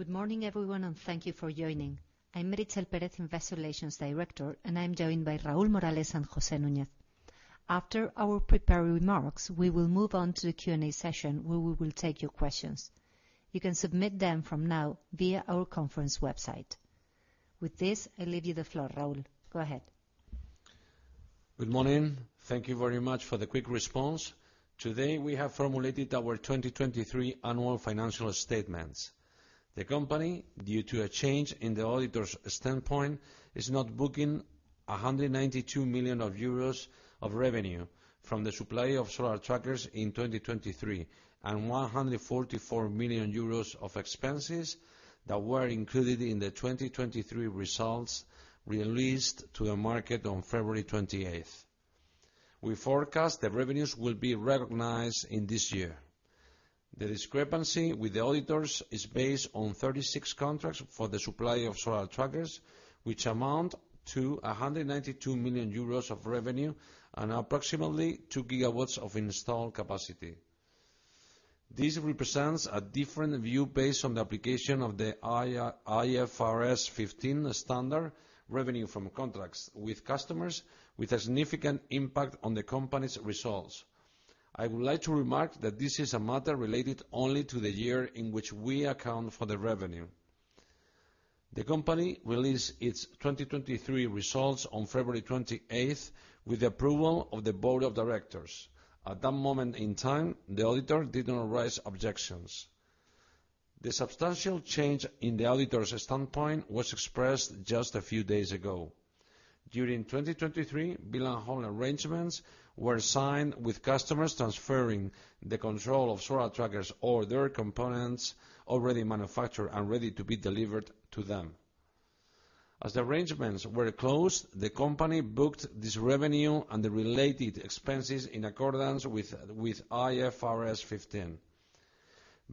Good morning everyone, and thank you for joining. I'm Meritxell Pérez Investor Relations Director, and I'm joined by Raúl Morales and José Núñez. After our prepared remarks, we will move on to the Q&A session where we will take your questions. You can submit them from now via our conference website. With this, I leave you the floor, Raúl. Go ahead. Good morning. Thank you very much for the quick response. Today we have formulated our 2023 annual financial statements. The company, due to a change in the auditor's standpoint, is not booking 192 million euros of revenue from the supply of solar trackers in 2023, and 144 million euros of expenses that were included in the 2023 results released to the market on February 28th. We forecast the revenues will be recognized in this year. The discrepancy with the auditors is based on 36 contracts for the supply of solar trackers, which amount to 192 million euros of revenue and approximately 2 GW of installed capacity. This represents a different view based on the application of the IFRS 15 standard revenue from contracts with customers, with a significant impact on the company's results. I would like to remark that this is a matter related only to the year in which we account for the revenue. The company released its 2023 results on February 28th with the approval of the board of directors. At that moment in time, the auditor did not raise objections. The substantial change in the auditor's standpoint was expressed just a few days ago. During 2023, Bill and Hold arrangements were signed with customers transferring the control of solar trackers or their components already manufactured and ready to be delivered to them. As the arrangements were closed, the company booked this revenue and the related expenses in accordance with IFRS 15.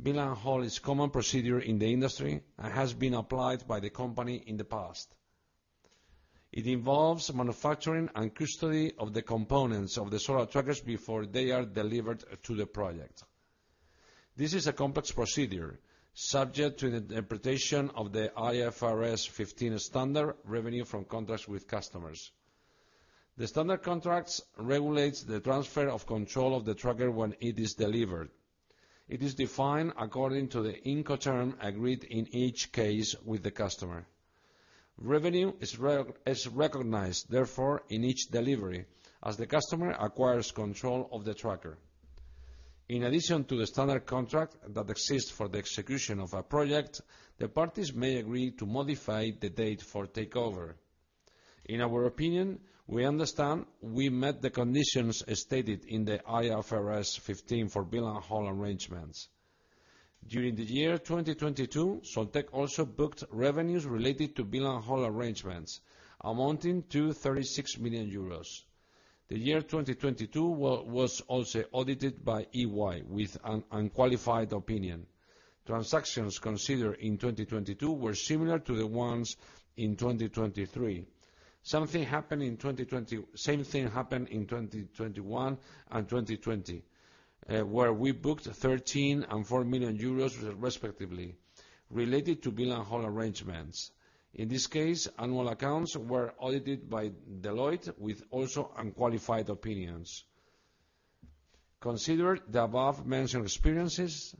Bill and Hold is a common procedure in the industry and has been applied by the company in the past. It involves manufacturing and custody of the components of the solar trackers before they are delivered to the project. This is a complex procedure, subject to interpretation of the IFRS 15 standard revenue from contracts with customers. The standard contracts regulate the transfer of control of the tracker when it is delivered. It is defined according to the Incoterm agreed in each case with the customer. Revenue is recognized, therefore, in each delivery as the customer acquires control of the tracker. In addition to the standard contract that exists for the execution of a project, the parties may agree to modify the date for takeover. In our opinion, we understand we met the conditions stated in the IFRS 15 for Bill and Hold arrangements. During the year 2022, Soltec also booked revenues related to Bill and Hold arrangements, amounting to 36 million euros. The year 2022 was also audited by EY with an unqualified opinion. Transactions considered in 2022 were similar to the ones in 2023. Same thing happened in 2021 and 2020, where we booked 13 million and 4 million euros respectively, related to Bill and Hold arrangements. In this case, annual accounts were audited by Deloitte with also unqualified opinions. Considering the above-mentioned experiences,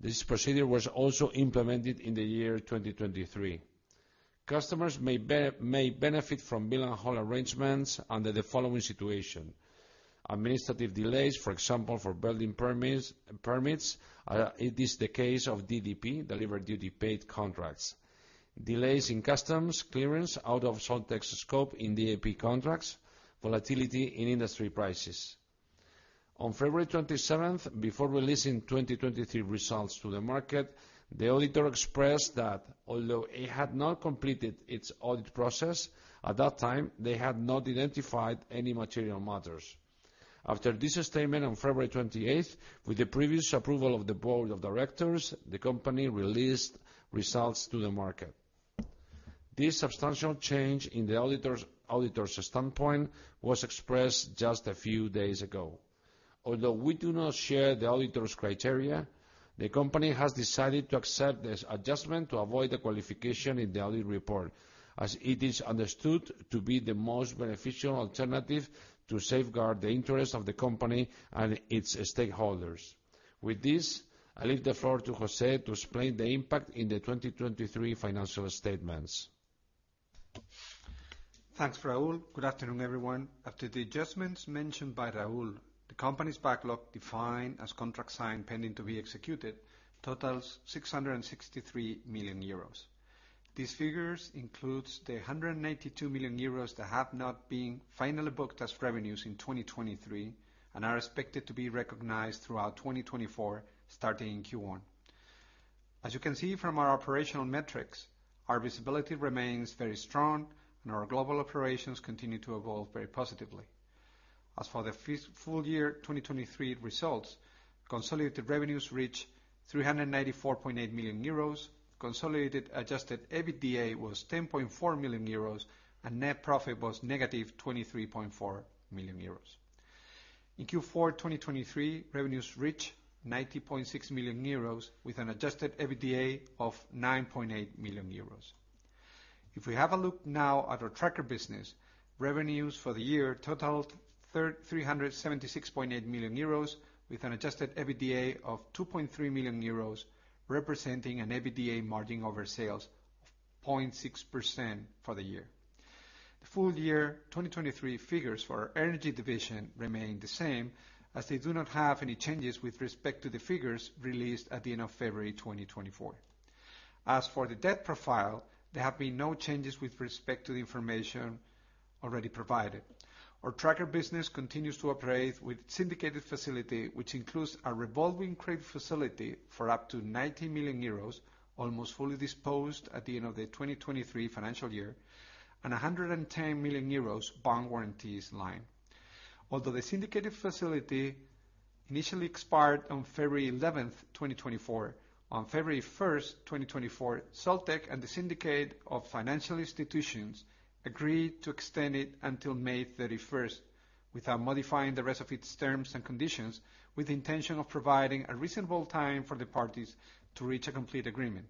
this procedure was also implemented in the year 2023. Customers may benefit from Bill and Hold arrangements under the following situation: administrative delays, for example, for building permits, as it is the case of DDP, Delivered Duty Paid contracts. Delays in customs clearance out of Soltec's scope in DAP contracts. Volatility in industry prices. On February 27th, before releasing 2023 results to the market, the auditor expressed that although it had not completed its audit process, at that time they had not identified any material matters. After this statement on February 28th, with the previous approval of the board of directors, the company released results to the market. This substantial change in the auditor's standpoint was expressed just a few days ago. Although we do not share the auditor's criteria, the company has decided to accept this adjustment to avoid the qualification in the audit report, as it is understood to be the most beneficial alternative to safeguard the interests of the company and its stakeholders. With this, I leave the floor to José to explain the impact in the 2023 financial statements. Thanks, Raúl. Good afternoon, everyone. After the adjustments mentioned by Raúl, the company's backlog defined as contracts signed pending to be executed totals 663 million euros. These figures include the 182 million euros that have not been finally booked as revenues in 2023 and are expected to be recognized throughout 2024, starting in Q1. As you can see from our operational metrics, our visibility remains very strong, and our global operations continue to evolve very positively. As for the full year 2023 results, consolidated revenues reached 394.8 million euros, consolidated adjusted EBITDA was 10.4 million euros, and net profit was negative 23.4 million euros. In Q4 2023, revenues reached 90.6 million euros with an adjusted EBITDA of 9.8 million euros. If we have a look now at our tracker business, revenues for the year totaled 376.8 million euros with an adjusted EBITDA of 2.3 million euros, representing an EBITDA margin over sales of 0.6% for the year. The full year 2023 figures for our energy division remain the same, as they do not have any changes with respect to the figures released at the end of February 2024. As for the debt profile, there have been no changes with respect to the information already provided. Our tracker business continues to operate with a syndicated facility, which includes a revolving credit facility for up to 90 million euros, almost fully disposed at the end of the 2023 financial year, and a 110 million euros bond warranties line. Although the syndicated facility initially expired on February 11th, 2024, on February 1st, 2024, Soltec and the Syndicate of Financial Institutions agreed to extend it until May 31st without modifying the rest of its terms and conditions, with the intention of providing a reasonable time for the parties to reach a complete agreement.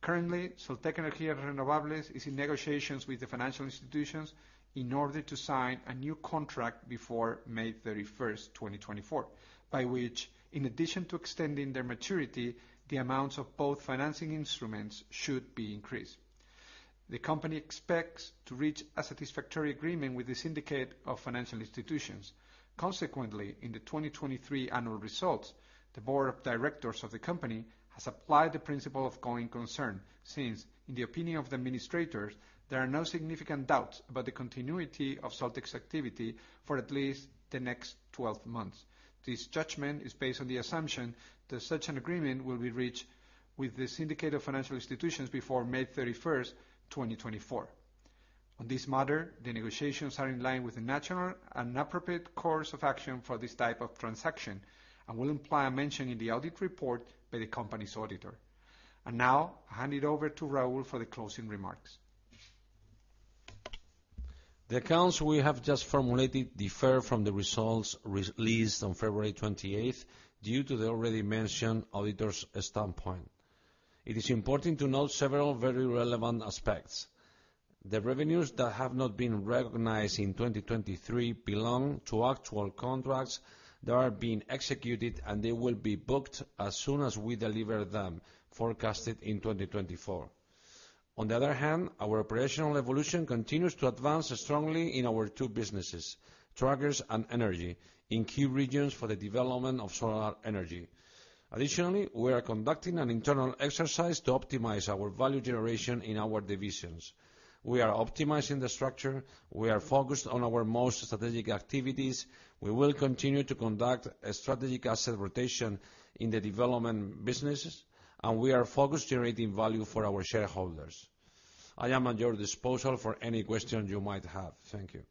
Currently, Soltec Energías Renovables is in negotiations with the financial institutions in order to sign a new contract before May 31st, 2024, by which, in addition to extending their maturity, the amounts of both financing instruments should be increased. The company expects to reach a satisfactory agreement with the Syndicate of Financial Institutions. Consequently, in the 2023 annual results, the board of directors of the company has applied the principle of going concern since, in the opinion of the administrators, there are no significant doubts about the continuity of Soltec's activity for at least the next 12 months. This judgment is based on the assumption that such an agreement will be reached with the Syndicate of Financial Institutions before May 31st, 2024. On this matter, the negotiations are in line with the national and appropriate course of action for this type of transaction and will imply a mention in the audit report by the company's auditor. Now, I hand it over to Raúl for the closing remarks. The accounts we have just formulated differ from the results released on February 28th due to the already mentioned auditor's standpoint. It is important to note several very relevant aspects. The revenues that have not been recognized in 2023 belong to actual contracts that are being executed, and they will be booked as soon as we deliver them, forecasted in 2024. On the other hand, our operational evolution continues to advance strongly in our two businesses, trackers and energy, in key regions for the development of solar energy. Additionally, we are conducting an internal exercise to optimize our value generation in our divisions. We are optimizing the structure. We are focused on our most strategic activities. We will continue to conduct strategic asset rotation in the development businesses, and we are focused on generating value for our shareholders. I am at your disposal for any questions you might have. Thank you.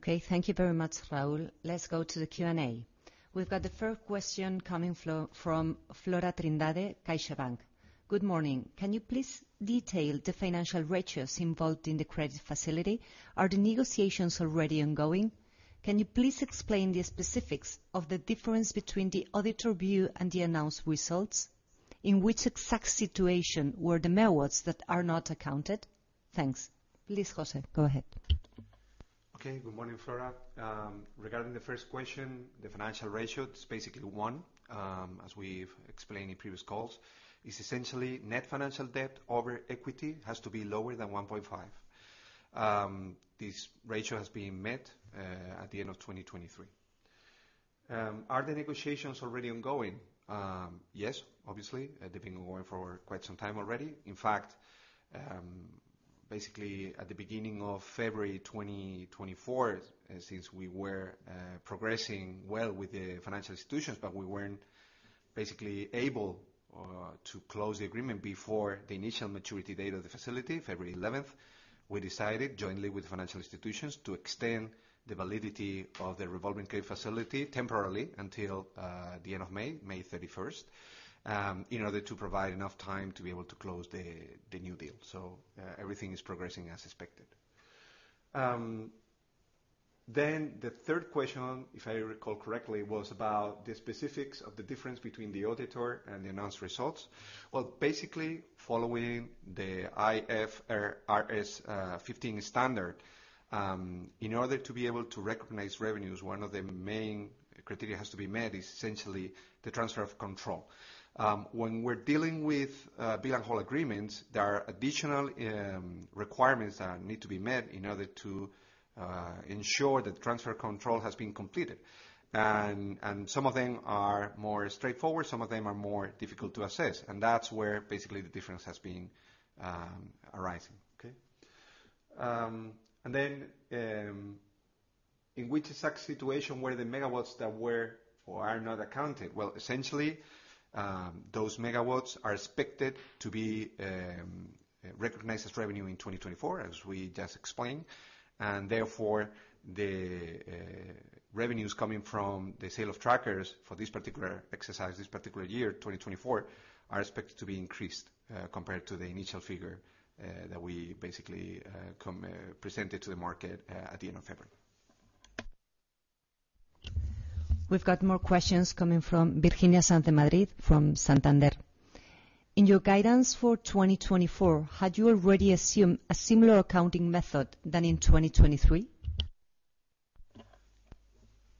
Okay, thank you very much, Raúl. Let's go to the Q&A. We've got the first question coming from Flora Trindade, CaixaBank. Good morning. Can you please detail the financial ratios involved in the credit facility? Are the negotiations already ongoing? Can you please explain the specifics of the difference between the auditor view and the announced results? In which exact situation were the megawatts that are not accounted? Thanks. Please, José, go ahead. Okay, good morning, Flora. Regarding the first question, the financial ratio, it's basically one, as we've explained in previous calls. It's essentially net financial debt over equity has to be lower than 1.5. This ratio has been met at the end of 2023. Are the negotiations already ongoing? Yes, obviously. They've been ongoing for quite some time already. In fact, basically at the beginning of February 2024, since we were progressing well with the financial institutions, but we weren't basically able to close the agreement before the initial maturity date of the facility, February 11th, we decided, jointly with the financial institutions, to extend the validity of the Revolving Credit Facility temporarily until the end of May, May 31st, in order to provide enough time to be able to close the new deal. So everything is progressing as expected. Then the third question, if I recall correctly, was about the specifics of the difference between the auditor and the announced results. Well, basically following the IFRS 15 standard, in order to be able to recognize revenues, one of the main criteria that has to be met is essentially the transfer of control. When we're dealing with Bill and Hold agreements, there are additional requirements that need to be met in order to ensure that transfer control has been completed. And some of them are more straightforward, some of them are more difficult to assess. And that's where basically the difference has been arising. Okay? And then in which exact situation were the megawatts that were or are not accounted? Well, essentially, those megawatts are expected to be recognized as revenue in 2024, as we just explained. Therefore, the revenues coming from the sale of trackers for this particular exercise, this particular year, 2024, are expected to be increased compared to the initial figure that we basically presented to the market at the end of February. We've got more questions coming from Virginia Sanz de Madrid from Santander. In your guidance for 2024, had you already assumed a similar accounting method than in 2023?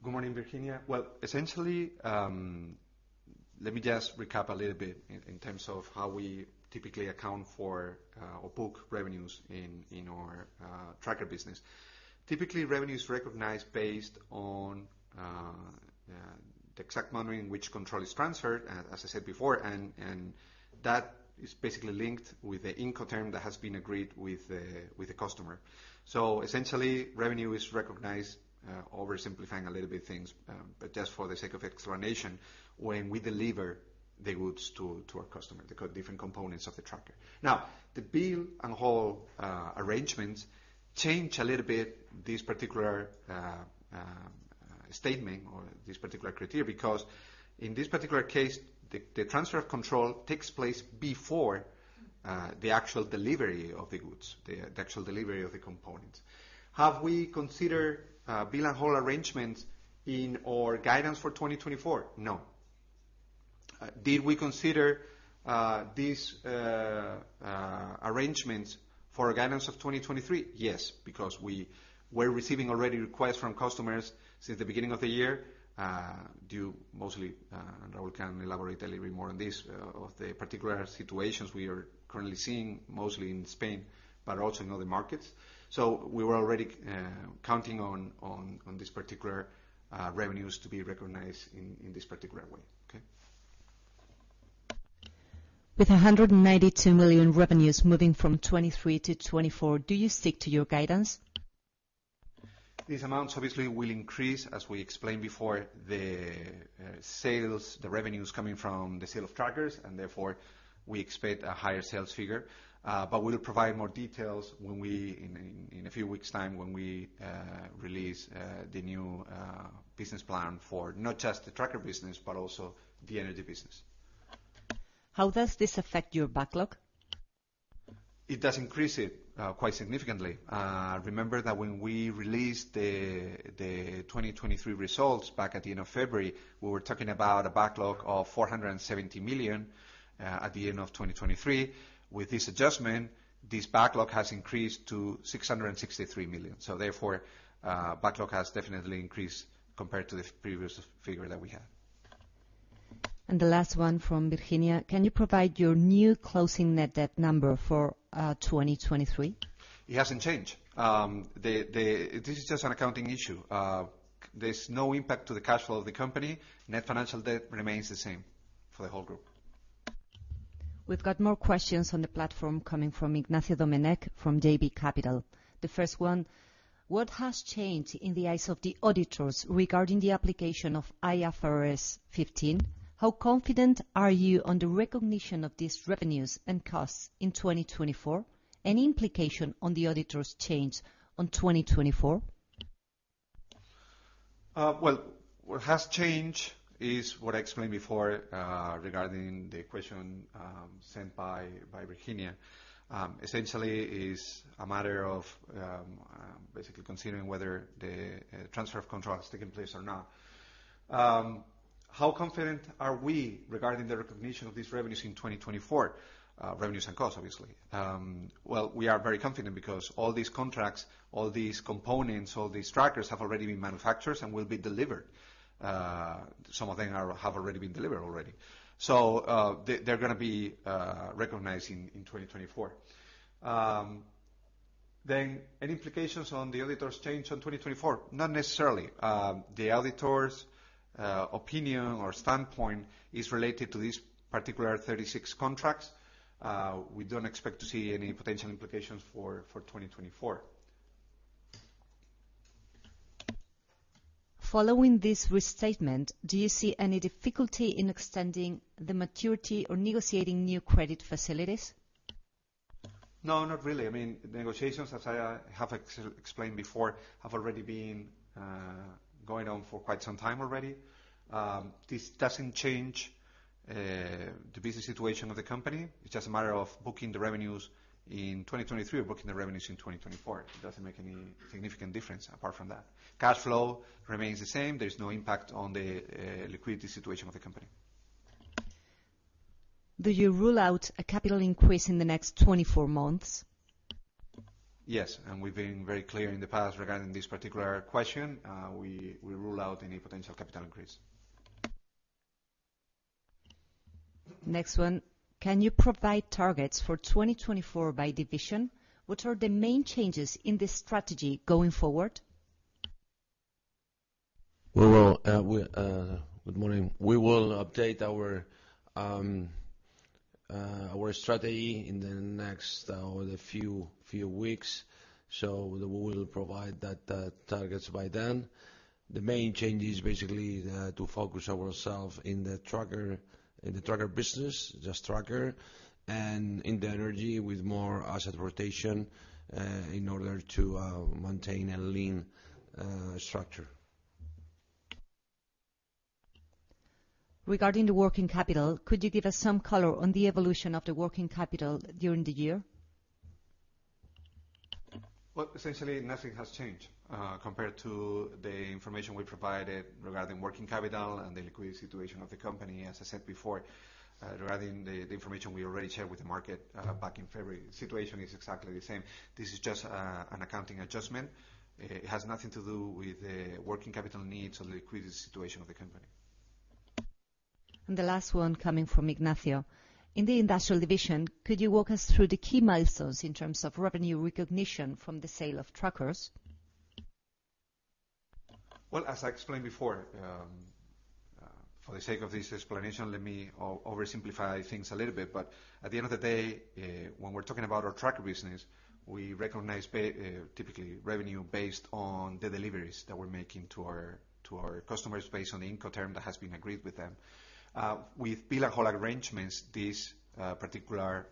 Good morning, Virginia. Well, essentially, let me just recap a little bit in terms of how we typically account for or book revenues in our tracker business. Typically, revenue is recognized based on the exact manner in which control is transferred, as I said before, and that is basically linked with the Incoterm that has been agreed with the customer. So essentially, revenue is recognized, oversimplifying a little bit things, but just for the sake of explanation, when we deliver the goods to our customer, the different components of the tracker. Now, the Bill and Hold arrangements change a little bit this particular statement or this particular criteria because in this particular case, the transfer of control takes place before the actual delivery of the goods, the actual delivery of the components. Have we considered Bill and Hold arrangements in our guidance for 2024? No. Did we consider these arrangements for our guidance of 2023? Yes, because we were receiving already requests from customers since the beginning of the year. Raúl can elaborate a little bit more on this, of the particular situations we are currently seeing, mostly in Spain, but also in other markets. We were already counting on these particular revenues to be recognized in this particular way. Okay? With 192 million revenues moving from 2023 to 2024, do you stick to your guidance? These amounts, obviously, will increase, as we explained before, the revenues coming from the sale of trackers, and therefore we expect a higher sales figure. But we'll provide more details in a few weeks' time when we release the new business plan for not just the tracker business, but also the energy business. How does this affect your backlog? It does increase it quite significantly. Remember that when we released the 2023 results back at the end of February, we were talking about a backlog of 470 million at the end of 2023. With this adjustment, this backlog has increased to 663 million. So therefore, backlog has definitely increased compared to the previous figure that we had. And the last one from Virginia. Can you provide your new closing net debt number for 2023? It hasn't changed. This is just an accounting issue. There's no impact to the cash flow of the company. Net financial debt remains the same for the whole group. We've got more questions on the platform coming from Ignacio Domenech from JB Capital. The first one, what has changed in the eyes of the auditors regarding the application of IFRS 15? How confident are you on the recognition of these revenues and costs in 2024? Any implication on the auditors' change on 2024? Well, what has changed is what I explained before regarding the question sent by Virginia. Essentially, it's a matter of basically considering whether the transfer of control has taken place or not. How confident are we regarding the recognition of these revenues in 2024? Revenues and costs, obviously. Well, we are very confident because all these contracts, all these components, all these trackers have already been manufactured and will be delivered. Some of them have already been delivered already. So they're going to be recognized in 2024. Then any implications on the auditors' change on 2024? Not necessarily. The auditors' opinion or standpoint is related to these particular 36 contracts. We don't expect to see any potential implications for 2024. Following this restatement, do you see any difficulty in extending the maturity or negotiating new credit facilities? No, not really. I mean, the negotiations, as I have explained before, have already been going on for quite some time already. This doesn't change the business situation of the company. It's just a matter of booking the revenues in 2023 or booking the revenues in 2024. It doesn't make any significant difference apart from that. Cash flow remains the same. There's no impact on the liquidity situation of the company. Do you rule out a capital increase in the next 24 months? Yes. We've been very clear in the past regarding this particular question. We rule out any potential capital increase. Next one, can you provide targets for 2024 by division? What are the main changes in the strategy going forward? Well, good morning. We will update our strategy in the next few weeks, so we will provide the targets by then. The main change is basically to focus ourselves in the tracker business, just tracker, and in the energy with more asset rotation in order to maintain a lean structure. Regarding the working capital, could you give us some color on the evolution of the working capital during the year? Well, essentially, nothing has changed compared to the information we provided regarding working capital and the liquidity situation of the company. As I said before, regarding the information we already shared with the market back in February, the situation is exactly the same. This is just an accounting adjustment. It has nothing to do with the working capital needs or the liquidity situation of the company. The last one coming from Ignacio. In the industrial division, could you walk us through the key milestones in terms of revenue recognition from the sale of trackers? Well, as I explained before, for the sake of this explanation, let me oversimplify things a little bit. But at the end of the day, when we're talking about our tracker business, we recognize typically revenue based on the deliveries that we're making to our customers based on the Incoterm that has been agreed with them. With Bill and Hold arrangements, this particular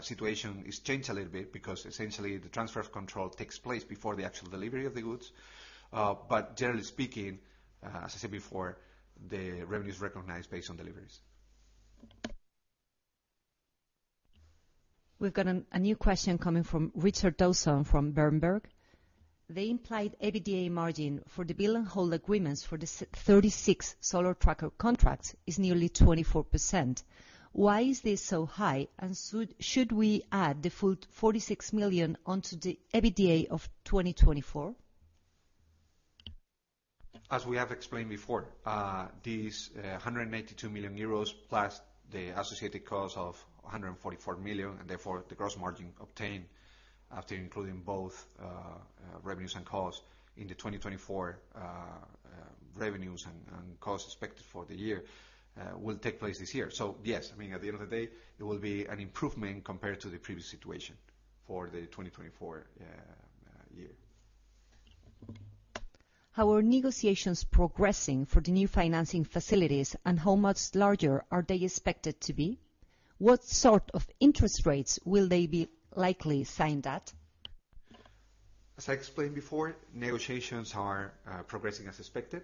situation has changed a little bit because essentially the transfer of control takes place before the actual delivery of the goods. But generally speaking, as I said before, the revenue is recognized based on deliveries. We've got a new question coming from Richard Dawson from Berenberg. They implied EBITDA margin for the Bill and Hold agreements for the 36 solar tracker contracts is nearly 24%. Why is this so high, and should we add the full 46 million onto the EBITDA of 2024? As we have explained before, these 182 million euros plus the associated costs of 144 million, and therefore the gross margin obtained after including both revenues and costs in the 2024 revenues and costs expected for the year, will take place this year. So yes, I mean, at the end of the day, it will be an improvement compared to the previous situation for the 2024 year. How are negotiations progressing for the new financing facilities and how much larger are they expected to be? What sort of interest rates will they be likely signed at? As I explained before, negotiations are progressing as expected.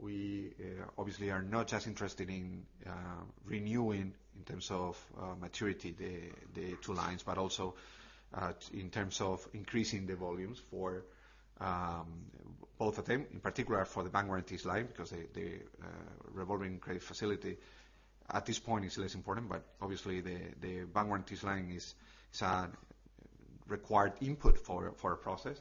We obviously are not just interested in renewing in terms of maturity the two lines, but also in terms of increasing the volumes for both of them, in particular for the bank warranties line because the revolving credit facility at this point is less important. But obviously, the bank warranties line is a required input for our process.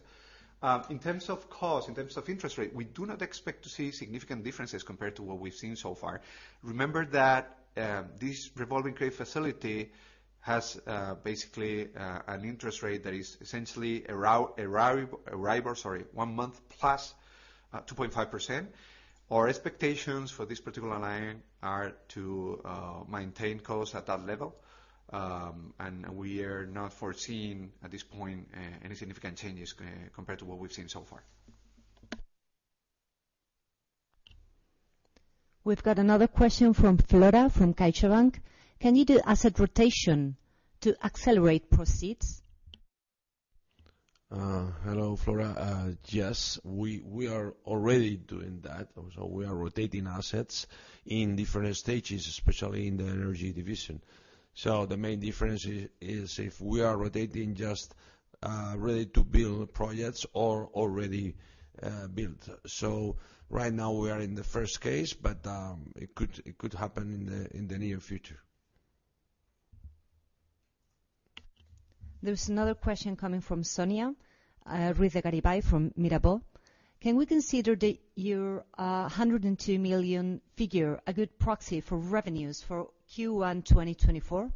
In terms of cost, in terms of interest rate, we do not expect to see significant differences compared to what we've seen so far. Remember that this revolving credit facility has basically an interest rate that is essentially Euribor, sorry, one-month plus 2.5%. Our expectations for this particular line are to maintain costs at that level. And we are not foreseeing at this point any significant changes compared to what we've seen so far. We've got another question from Flora from CaixaBank. Can you do asset rotation to accelerate proceeds? Hello, Flora. Yes, we are already doing that. So we are rotating assets in different stages, especially in the energy division. So the main difference is if we are rotating just ready to build projects or already built. So right now we are in the first case, but it could happen in the near future. There's another question coming from Sonia Ruiz de Garibay from Mirabaud. Can we consider your 102 million figure a good proxy for revenues for Q1 2024?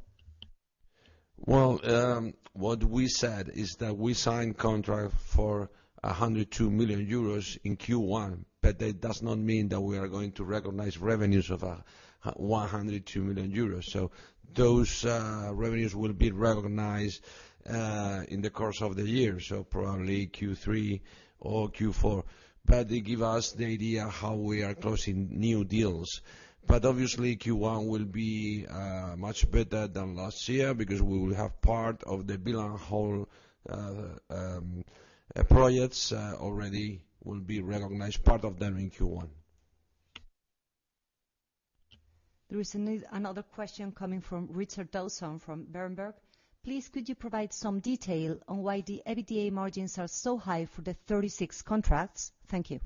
Well, what we said is that we signed contracts for 102 million euros in Q1, but that does not mean that we are going to recognize revenues of 102 million euros. So those revenues will be recognized in the course of the year, so probably Q3 or Q4. But it gives us the idea how we are closing new deals. But obviously, Q1 will be much better than last year because we will have part of the Bill and Hold projects already will be recognized, part of them in Q1. There is another question coming from Richard Dawson from Berenberg. Please, could you provide some detail on why the EBITDA margins are so high for the 36 contracts? Thank you.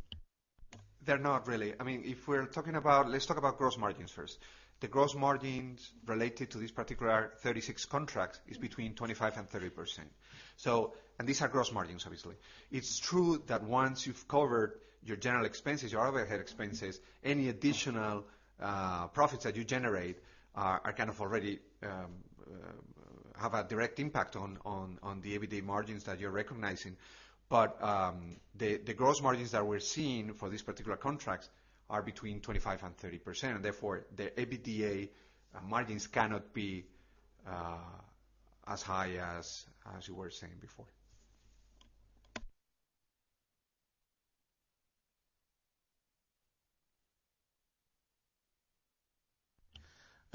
They're not really. I mean, if we're talking about, let's talk about gross margins first. The gross margins related to these particular 36 contracts is between 25% and 30%. And these are gross margins, obviously. It's true that once you've covered your general expenses, your overhead expenses, any additional profits that you generate kind of already have a direct impact on the EBITDA margins that you're recognizing. But the gross margins that we're seeing for these particular contracts are between 25% and 30%. And therefore, the EBITDA margins cannot be as high as you were saying before.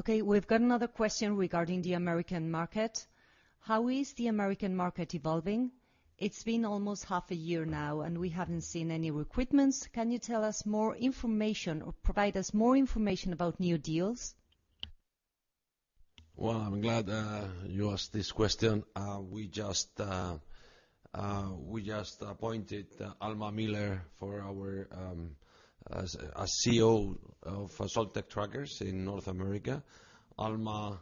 Okay. We've got another question regarding the American market. How is the American market evolving? It's been almost half a year now, and we haven't seen any recruitments. Can you tell us more information or provide us more information about new deals? Well, I'm glad you asked this question. We just appointed Alma Miller as CEO of Soltec Trackers in North America. Alma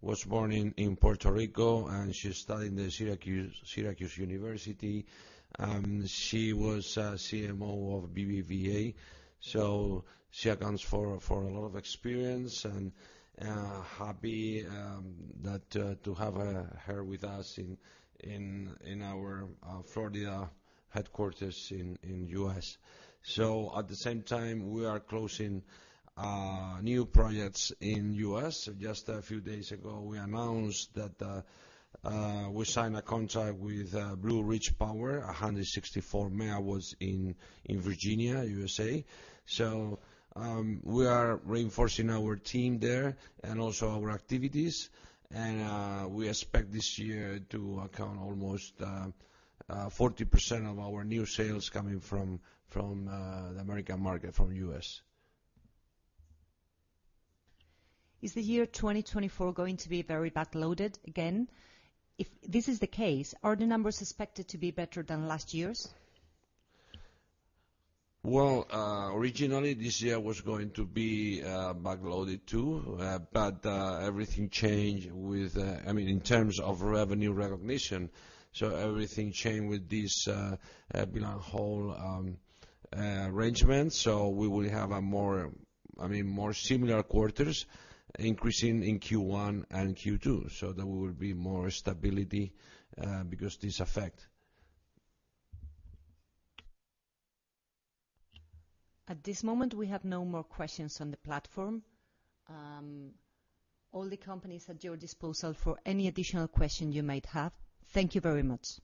was born in Puerto Rico, and she studied in Syracuse University. She was CMO of BBVA. So she accounts for a lot of experience and happy to have her with us in our Florida headquarters in the U.S. So at the same time, we are closing new projects in the U.S. Just a few days ago, we announced that we signed a contract with Blue Ridge Power. 164 MW was in Virginia, USA. So we are reinforcing our team there and also our activities. And we expect this year to account almost 40% of our new sales coming from the American market, from the U.S. Is the year 2024 going to be very backloaded again? If this is the case, are the numbers expected to be better than last year's? Well, originally, this year was going to be backloaded too, but everything changed with I mean, in terms of revenue recognition, so everything changed with this Bill and Hold arrangement. So we will have a more I mean, more similar quarters increasing in Q1 and Q2 so that we will be more stability because of this effect. At this moment, we have no more questions on the platform. All the companies at your disposal for any additional question you might have. Thank you very much.